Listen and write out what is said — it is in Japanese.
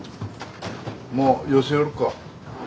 もう寄せよるか？